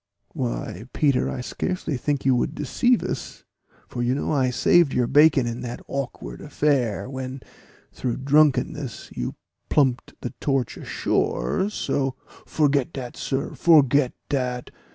"Why, Peter, I scarcely think you would deceive us, for you know I saved your bacon in that awkward affair, when through drunkenness you plumped the Torch ashore, so " "Forget dat, sir forget dat!